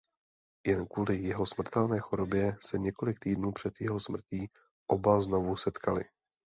Jen kvůli jeho smrtelné chorobě se několik týdnů před jeho smrtí oba znovu setkali.